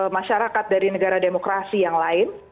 masyarakat dari negara demokrasi yang lain